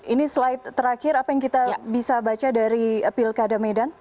ini slide terakhir apa yang kita bisa baca dari pilkada medan